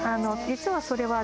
実はそれは。